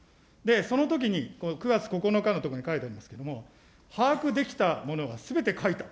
そのときに、９月９日のところに書いてありますけれども、把握できたものはすべて書いた。